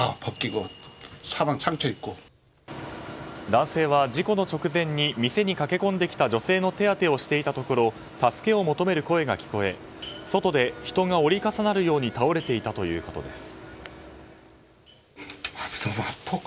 男性は事故の直前に店に駆け込んできた女性の手当てをしていたところ助けを求める声が聞こえ外で人が折り重なるように倒れていたということです。